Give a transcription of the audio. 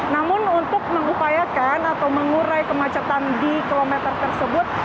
namun untuk mengupayakan atau mengurai kemacetan di kilometer tersebut